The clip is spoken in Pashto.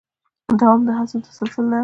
دوام د هڅو د تسلسل نښه ده.